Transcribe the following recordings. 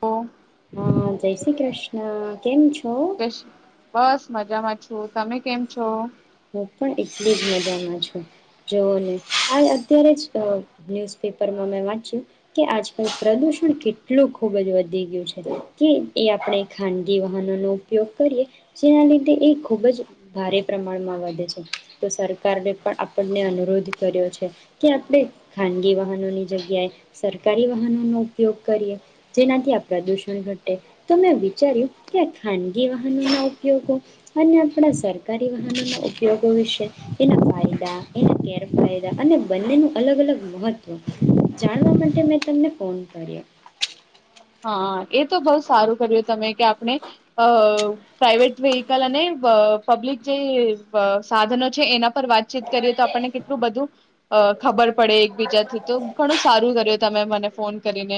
બસ હા, જય શ્રી કૃષ્ણ. કેમ છો? કે હું બસ. મજામાં છું. તમે કેમ છો? હું પણ એટલી જ મજામાં છું. જોવોને આ અત્યારે જ ન્યુઝપેપરમાં મેં વાંચ્યું, કે આજકાલ પ્રદુષણ કેટલું ખૂબ જ વધી ગયું છે, કે એ આપણે ખાનગી વાહનોનો ઉપયોગ કરીએ, જેના લીધે એ ખૂબ જ ભારે પ્રમાણે માણમાં વધે છે. તો સરકારે પણ આપણને અનુરોધ કર્યો છે, કે આપણે ખાનગી વાહનોની જગ્યાએ, સરકારી વાહનોનો ઉપયોગ કરીએ, જેનાથી આ પ્રદૂષણ ઘટે. તો મેં વિચાર્યું કે ખાનગી વાહનોના ઉપયોગો અને આપણા સરકાર રી વાહનોના ઉપયોગો વિશે, એના ફાયદા એના ગેરફાયદા અને બંનેનું અલગ-અલગ મહત્વ, જાણવા માટે મેં તમને ફોન કર્યો. હા, એ તો બહુ સારું કર્યું તમે, કે આપણે અ પ્રાાઈવેટ વેહીકલ અને પબ્લિક જે સાધનો છે એના પર વાતચીત કરીએ તો આપણને કેટલું બધું અ ખબર પડે એકબીજાથી. તો ઘણું સારું કર્યું. તમે મને ફોન કરીને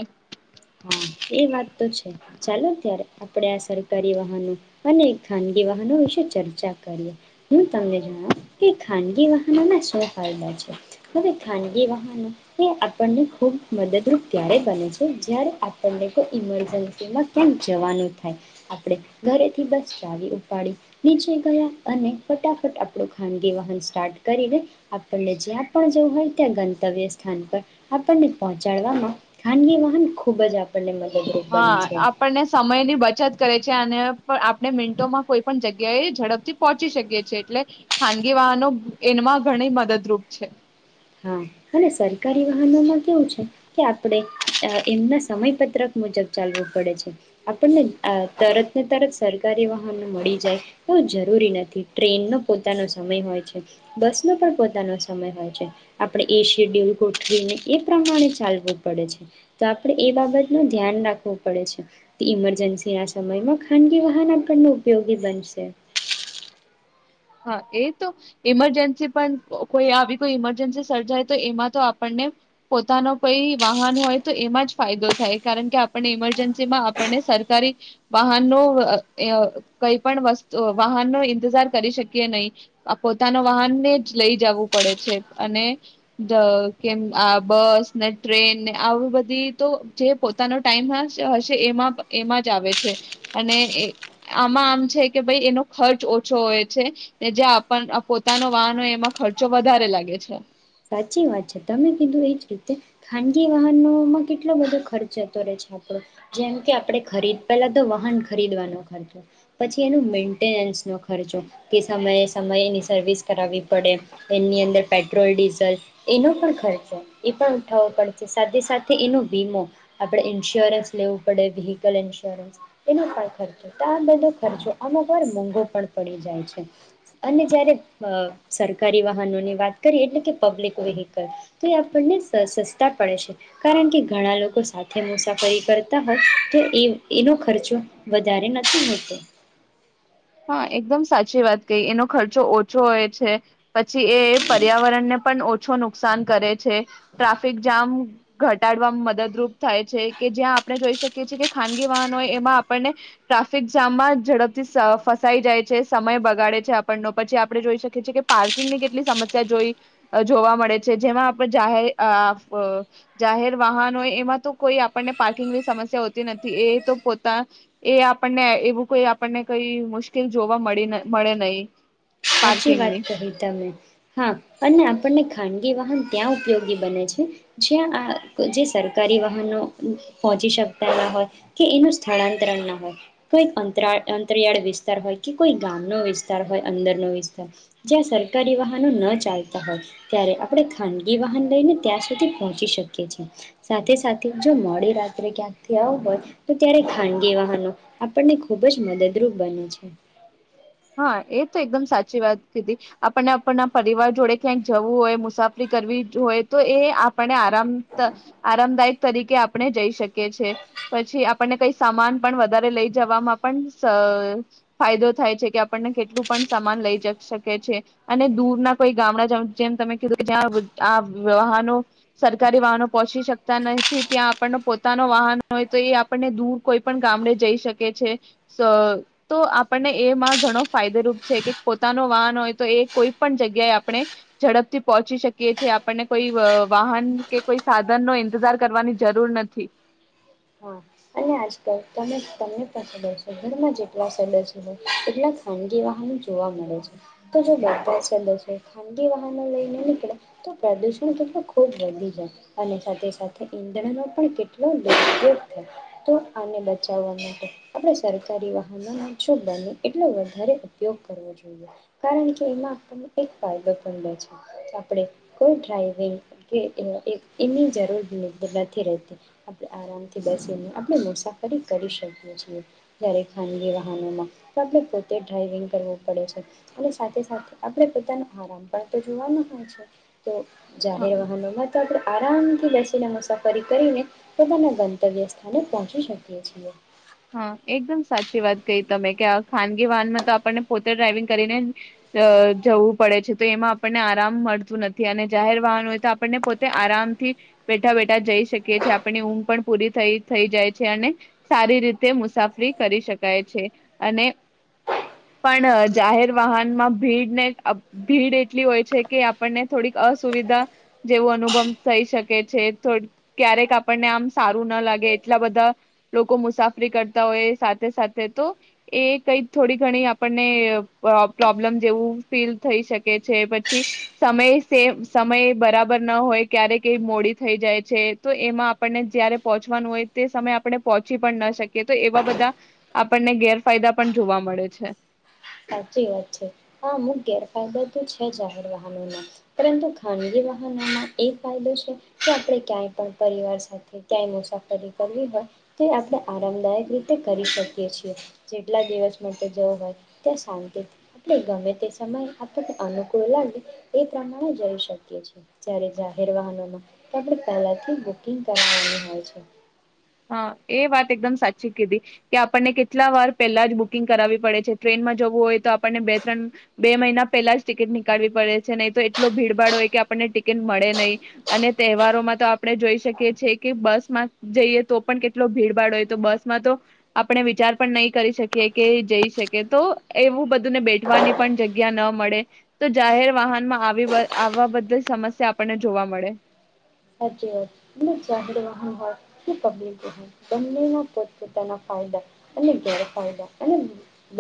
હા, એ વાત તો છે. ચાલો ત્યારે આપણે આ સરકારી વાહનો અને ખાનગી વાહનો વિશે ચર્ચા કરીએ. હું તમને જણાવ કે ખાનગી વાહનોમાં શું ફાયદા છે. હવે ખાનગી વાહનો એ આપણને ખૂબ મદદરૂપ ત્યારે બને છે જ્યારે આપણને કોઈ ઇમરજન્સીમાં ક્યાંક જવાનું થાય, આપણે ઘરેથી બસ ચાવી ઉપાડી નીચે ગયા અને ફટાફટ આપણું ખાનગી વાહન સ્ટાર્ટ કરીને, આપણને જ્યાં પણ જવું હોય ત્યાં ગંતવ્ય સ્થાન પર આપણને પહોંચાડવામાં ખાનગી વાહન ખૂબ ખૂબ જ આપણને મદદ્ હા, આપણને સમયની બચત કરે છે. કે અને આપણે મિન્ટોમાં કોઈ પણ જગ્યાએ ઝડપથી પહોંચી શકીએ છીએ. એટલે ખાનગી વાહનો એનમાં ઘણી મદદરૂપ છે. હા, અને સરકારી વાહનોમાં કેવું છે, કે આપણે એમના સમયપત્રક મુજબ ચાલવું પડે છે. આપણને તરતને તરત સરકારી વાહનો મળી જાય, એવું જરૂરી નથી. ટ્રેનનો પોતાનો સમય હોય છે, બસ નો પણ પોતાનો સમય હોય છે. આપણે એ શેડ્યુલ ગોઠવીને એ પ્રમાણે ચાલવું પડે છે. તો આપણે એ બાબતનું ધ્યાન રાખવું પડે છે. ઈમરજન્સીના સમયમાં ખાનગી વાહન આપણને ઉપયોગી બનશે. હા એ તો ઈમરજન્સી પણ કોઈ આવી કોઈ ઈમરજન્સી સર્જાય તો એમાં તો આપણને પોતાનો કઈ વાહન હોય તો એમાં જ ફાયદો થાય, કારણ કે આપણને ઈમરજન્સીમાં આપણને સરકારી વાહનનો કઈ પણ વસ્તુ વાહનનો ઈંતજાર કરી શકીએ કે નહીં, અહ પોતાનો વાહનને જ લઈ જાવું પડે છે, અને જ કેમ આ બસ ને ટ્રેન ને આવી બધી તો જે પોતાનો ટાઈમ હ હશે એમાં-એમાં જ આવે છે અને એ આમાં આમ છે કે ભઈ એનો ખર્ચ ઓછો હોય. છે કે જે આપ પોતાનો વાહન હોય એમાં ખર્ચો વધારે લાગે છે. સાચી વાત છે, તમે કીધું એજ રીતે ખાનગી વાહનોમાં કેટલો બધો ખર્ચ જતો રહે છે આપણો, જેમ કે આપણે ખરીદ પેલા તો વાહન ખરીદવાનો ખર્ચો, પછી એનો મેન્ટેનન્સ નો ખર્ચો, કે સમયે સમયની સર્વિસ કરાવવી પડે, એની અંદર પેટ્રોલ ડીઝ ઝલ એનો પણ ખર્ચો ઈ પણ ઉઠાવવો પડે છે, સાથે સાથે એનો વીમો આપણે ઇન્સ્યોરન્સ લેવું પડે વ્હીકલ ઇન્સ્યોરન્સ એનો પણ ખર્ચો, તો આ બધો ખર્ચો અમુક વાર મોંઘો પણ પડી જાય છે, અને જ્યારે અહ સરકારી વાહનોની વાત કરીએ એટલે કે પબલિક વેહકલ, તો એ આપણને સસ્તા પડે છે કારણ કે ઘણા લોકો સાથે મુસાફરી કરતા હોય તો એ એનો ખર્ચો વધારે નથી હોતો. હા એકદમ સાચી વાત કહી, એનો ખર્ચો ઓછો હોય છે. પછી એ એ પર્યાવરણ ને પણ ઓ છો નુકસાન કરે છે. ટ્રાફિક જામ ઘટાડવામાં મદદરૂપ થાય છે, કે જ્યાં આપણે જોઈ શકીએ છીએ કે ખાનગી વાહનો હોય એમાં આપણને ટ્રાફિક જામમાં ઝડપથી સફ ફસાઈ જાય છે, સમય બગાડે છે આપણનો, પછી આપણે જોઈ શકીએ છીએ કે પાર્કિંગની કેટલી સમસ્યા જોઈ જોવા મળે છે જેમાં આપ જાહેર આપ જાહેર વાહન હોય એમાં તો કોઈ આપણને પાર્કિંગની સમસ્યા હોતી નથી, એ એ તો પોતા એ આપણને એવું કોઈ આપણને કઈ મુ મુશ્કેલ જોવા મળી મળે નહી. સાચી વાત પાર્કિંગની. કહી તમે. હા અને આપણને ખાન ગી વાહન ત્યાં ઉપયોગી બને છે, જ્યાં આ અહ જે સરકારી વાહનો પહોંચી શકતા ના હોય કે એનું સ્થળાંતર ના હોય, કોઈ અંતરાળ અંતરિયાળ વિસ્તાર હોય કે કોઈ ગામ નો વિસ્તાર હોય અંદરનો વિસ જ્યાં સરકારી વાહનો ન ચાલતા હોય ત્યારે આપણે ખાનગી વાહન લઈને ત્યાં સુધી પહોંચી શકીએ છે. સાથે-સાથે જો મોડી રાત્રે ક્યાંક ને કયાંક ગયા હોય તો ત્યારે ખાનગી વાહનો આપણને ખુબ જ મદદરૂપ બને છે. હા એ તો એકદમ સાચી વાત કીધી આપણને આપણના પરિવાર જોડે ક્યાંક જવું હોય મુસાફરી કરવી હોય તો એ આપને આરામ આરામદાયક તરીકે આપણે જઈ શકીએ છે, પછી આપણને કાઈક સામાન પણ વધારે લઈ જવામાં પણ સ ફાયદો થાય છે. [unintelligible] આપણને કેટલું પણ સામાન લઈ જ શકે છે, અને દૂર ના કોઈ ગામડા જમ જેમ તમે કીધું કે જ્યાં આ વાહનો સરકારી વાહનો પહોચી શકતા નથી ત્યાં આપણનો પોતાનો વાહન હોય તો એ આપણને દૂર કોઈ પણ ગામડે જઈ શકે છે, સ તો આપણને એમાં ઘણો ફાયદોરૂપ છે કે પોતાનો વાહન હોય તો એ કોઈ પણ જગ્યાએ આપણે ઝડપથી પહોંચી શકીએ છીએ, આપણને કોઈ વાહન કે કોઈ સાધન નો ઈંતજાર કરવાની જરૂર નથી. હા અને આજકલ તમે તમને પણ ખબર છે, ઘરમાં જેટલા સદસ્યો હોય એટલા ખાનગી વાહનો જોવા મળે છે, તો જો બધા સદસ્યો ખાનગી વાહનો લઈને નીકળે તો પ્રદૂષણ કેટલું ખૂબ વધી જાય, અને સાથે સાથે ઈંધણનો પણ કેટલો દુરયોગ થાય. તો આને બચાવવા માટે આપણે સરકારી વાહનોના [unintelligible] એટલે વધારે ઉપયોગ કરવો જોઈએ, કારણ કે એમાં આપણને એક ફાયદો પણ બહુ છે. આપણે કોઈ ડ્રાઈવિંગ કે એન એ એની જરૂર ન નથી રહેતી, આપણે આરામથી બેસીને આ આપણી મુસાફરી કરી શકીએ છીએ. દરેક ખાનગી વાહનોમાં તો આપણે પોતે ડ્રાઈવિંગ કરવું પડે છે અને સાથે સાથે આપણે પોતાનો આરામ પણ તો જોવાનું હોય છે. તો હા જાહેર વાહનોમાં તો આપણે આરામથી બેસીને મુસાફરી કરીને પોતાના ગંતવ્ય ને પહોંચી શકીએ છીએ. હા એકદમ સાચી વાત કઈ તમે કે આ ખાનગી વાહનમાં તો આપણને પોતે ડ્રાાઈવિંગ કરીને જવું પડે છે તો એમાં આપણને આરામ મળતું નથી અને જાહેર વાહન હોય તો આપણને પોતે આરામથી બેઠા બેઠા જઈ શકીએીએ આપણની ઊંઘ પણ પૂરી થઈ થઈ જાય છે અને સારી રીતે તે મુસાફરી કરી શકાય છે અને પણ જાહેર વાહનમાં ભીડને ભીડ એટલી હોય છે કે આપણને થોડીક અસુવિધા જેવો અનુભવ થઈ શકે છે ક્યારેક આપણને આમ સારું ના લાગે એટલા બધા લોકો મુસાફ કરતા હોય સાથે સાથે તો એ કઈ થોડી ઘણી આપણને પ્રોબ્લેમ જેવું ફીલ થઈ શકે છે પછી સમય સેમ સમય બરાબર ન હોય ક્યારે કઈ મોડી થઈ જાય છે તો એમાં આપણને જયારે પહંચવાનું હોય તે સમય આપણે પહોંચી પણ ન શકીએ. કે તો એવા બધા આપણને ગેરફાયદા પણ જોવા મળે છે. સાચી વાત છે આ અમુક ગેરફાયદો તો છે જાહેર વાહનોમાં પરંતુ ખાનગી વાહનોમાં એ ફાયદો છે કે આપણે ક્યાંય પણ પરિવાર સાથે ક્યાંય મુસાફરી કરવી હોય તે આપણે આરામદાયક રીતે કરી શકીએ છીએ, જેટલા દિવસ માટે જવું હોય. ત શાંતિ આપણે ગમે તે સમય આપણને અનુકૂળ લાગે એ પ્રમાણે જઈ શકીએ છીએ જયારે જાહેર વાહનોમાં પહેલાથી બુકિંગ કરાવેલું હોય છે. હા એ વાત એકદમ સાચી કીધી કે આપણને કેટલા વાર પહેલા જ બુકિંગ કરાવવી પડે છે, ટ્રેનમાં જવું હોય તો આપણને બે ત્રણ બે મહિના પહેલા જ ટિકિટ નીકળવી પડે છે નહી તો એટલો ભીડભાડ હોય કે આપણને ટિકિટ મળે નહી અને તહેવારોમાં તો આપણે જોઈ શકીએ છીએ કે બસમાં જઈએ તો પણ કેટલો ભીડભાડ હોય તો બસમાં તો આપણે વિચાર પણ નહીં કરી શકીએ કે જઈ શકીએ તો એવું બધુંને બેઠવાની પણ જગ્યા ન મળે તો જાહેર વાહનમાં આવી આવવા બધી સમસ્યા આપણને જોવા મળે. જાહેર વાહન હોય કે પ્િક હોય બંનેમાં પોતપોતાના ફાયદા અને ગેરફાયદા અને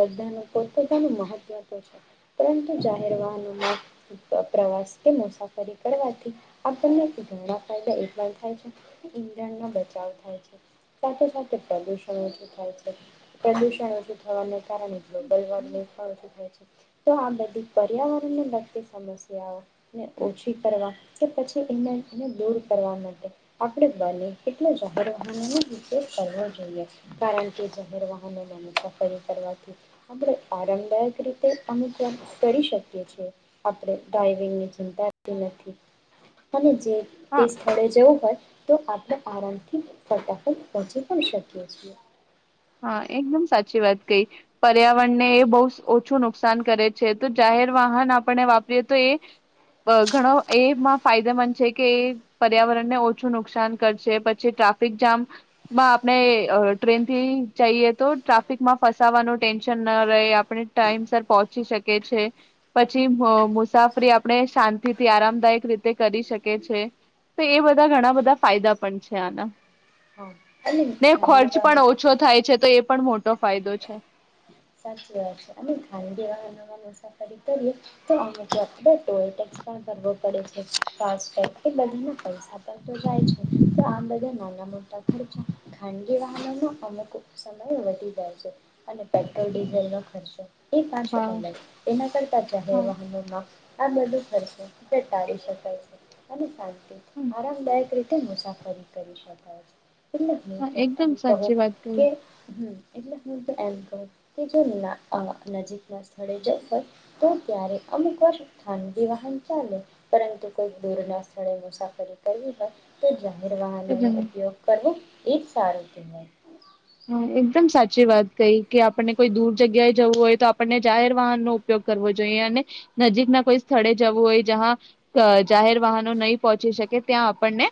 બધાનું પોતપતાનું મહત્વ તો છે પરંતુ જાહેર વાહનોમાં પ્રવાસ કે મુસાફરી કરવાથી આપને ઘણા ફાયદા એ પણ થાય છે ઈંધણનો બચાવ થાય છે સાથે સાથે પ્રદુષણ ઓછું થાય છે પ્રદુષણ ઓછું થવાનું કારણ ગલવા શું થાય છે. તો આ બધી પર્યાવરણને લગતી સમસ્યાઓને ઓછી કરવા કે પછીને દૂર કરવા માટે આપડે બને એટલા જાહેર વાહનોનો ઉપયોગ કરવો જોઈએ કારણ કે જાહેર વાહનો મુસાફરી કરવાથી આરામદાયક રીતે અનુકુલ કરી શકીએ છીએ. આપણે ડ્રાંઇવિંગ ની ચિંતા નથી અને જે હા તે સ્થળે જેવું હોય તો આપણે આરામ થી ફટાફટ પહોચી પણ શકીએ છીએ. હા એકદમ સાચી વાત કઈ પર્યાવરણને એ બહુ ઓછું નુકસાન કરે છે તો જાહેર વાહન આપણે વાપરીએ તો એ ઘણો એમાં ફાયદામંદ છે કે એ પર્યાવરણને ઓછું નુકસાન કરશે પછી ટ્રાફિક જામમાં આપણે ટ્રેનથી જઈએ તો ટ્રાફિકમાં ફસાવાનું ટેન્શન ના રહે આપણે ટાઈમ સર પહોંચી શકે છે પછી મુસાફરી આપણે શાંતિથી આરામદાયક રીતે કરી શકે છે તો એ બધા ઘણા બધા ફાયદા પણ છે આના. હા અને ને ખાનગી ખર્ચ પણ વાહન ઓછો થાય. તો એ પણ મોટો ફાયદો છે. [unintelligible] અને ખાનગી વાહનોમાં મુસાફરી કરીએ, તોક [unintelligible] ટોલ ટેક્ષ પણ ભરવો પડે છે. ફાસ્ટ ટૅગથી બધાનું પૈસા પણ તો જાય છે. આ બધા નાના મોટા ખર્ચા ખાનગી વાહનોમાં અમુક સમય વધી જાય છે. અને [unintelligible] પેટ્રોલ ડીઝલનો ખર્ચો, એ પાછો વાહ અલગ. એના કરતા હા જાહેર વાહનોમાં આ બધું. [unintelligible] ટાળી શકાય છે અને ખા હમ, આરામદાયક રીતે તે મુસાફરી કરી શકાય છે. એટલે હું હા તો એકદમ એમ કહું, સાચી વાત કહી કે એટલે હું તો એમ કહું, કે કે જો ના અ નજીક ના સ્થળે જવું હોય, તો ત્યારે અમુક વાર ખાનગી વાહન ચાલે પરંતુ કોઈક દૂર ના સ્થળે મુસાફરી કરવી હોય તો જાહેર એ વાહનોનો જ ને. ઉપયોગ કરવો એજ સારું, તને. હા, એકદમ સાચી વાત કઈ, કે આપણને કોઈ દૂર જગ્યાએ જવું હોય તો આપણને જાહેર વાહનનો ઉપયોગ કરવો જોઈએ. અને નજીકના કોઈ સ્થળે જવું હોય જ્યાં. જાહેર વાહનો નહીં પહોંચી શકે ત્યાં આપણને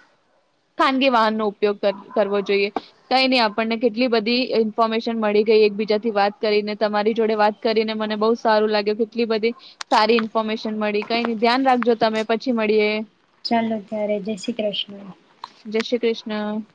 ખાનગી વાહનનો ઉપયોગ ક કરવો જોઈએ. તો કંઇની આપણને કેટલી બધી ઇન્ફોર્મેશન મળી ગઈ એકબીજા થી વાત કરીને. તમારી જોડે વાત કરીને મને બહુ સારું લાગ્યો કેટલી બધી સારી ઇન્ફોર્મેશન મળી. કઈ નહી ધ્યાન રાખજો તમે પછી મળીએ. ચાલો ત્યારે, જય શ્રી કૃષ્ણ. ન.